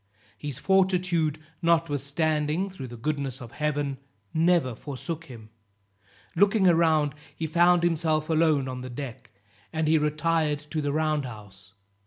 His fortitude, notwithstanding, through the goodness of Heaven, never forsook him; looking around, he found himself alone on the deck, and he retired to the round house.